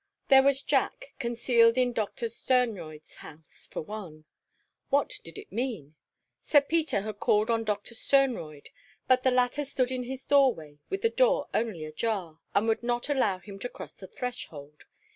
There was Jack, concealed in Doctor Sternroyd's house, for one. What did that mean? Sir Peter had called on Doctor Sternroyd, but the latter stood in his doorway with the door only ajar, and would not allow him to cross the threshold.